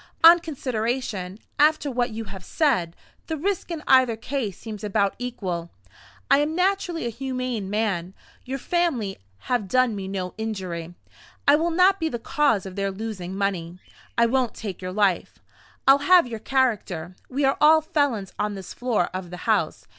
On consideration, after what you have said, the risk in either case seems about equal. I am naturally a humane man; your family have done me no injury; I will not be the cause of their losing money; I won't take your life, I'll have your character. We are all felons on this floor of the house.